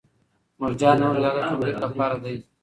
مورجانې مې وویل چې دا د ټونګرې لپاره دی